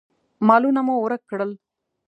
مالونه مو ورک کړل.